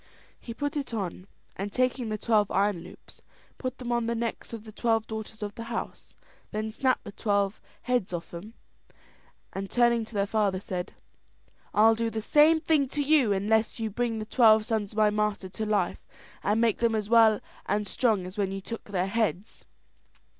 He put it on, and taking the twelve iron loops, put them on the necks of the twelve daughters of the house, then snapped the twelve heads off them, and turning to their father, said: "I'll do the same thing to you unless you bring the twelve sons of my master to life, and make them as well and strong as when you took their heads."